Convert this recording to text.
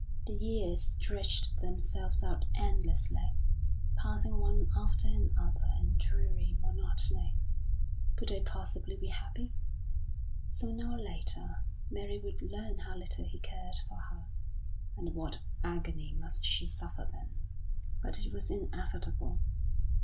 The years stretched themselves out endlessly, passing one after another in dreary monotony. Could they possibly be happy? Sooner or later Mary would learn how little he cared for her, and what agony must she suffer then! But it was inevitable.